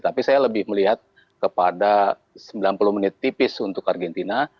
tapi saya lebih melihat kepada sembilan puluh menit tipis untuk argentina